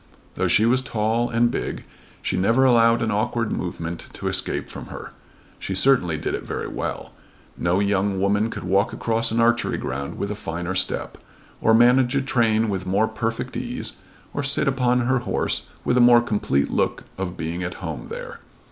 Though she was tall and big she never allowed an awkward movement to escape from her. She certainly did it very well. No young woman could walk across an archery ground with a finer step, or manage a train with more perfect ease, or sit upon her horse with a more complete look of being at home there.